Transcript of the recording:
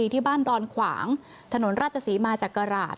ที่บ้านดอนขวางถนนราชศรีมาจากกราช